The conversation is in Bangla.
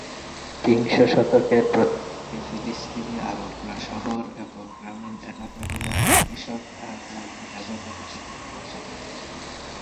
বিংশ শতকের প্রথম দিকে ফিলিস্তিনি আরবরা শহর এবং গ্রামীণ এলাকাগুলোতে কৃষক আর নয়তো যাযাবর হিসেবে জীবনযাপন করতো।